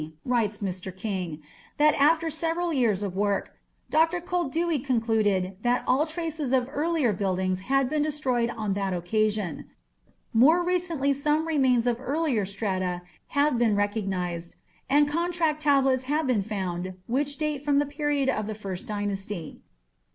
writes Mr. King, "that after several years of work, Dr. Koldewey concluded that all traces of earlier buildings had been destroyed on that occasion. More recently some remains of earlier strata have been recognized, and contract tablets have been found which date from the period of the First Dynasty.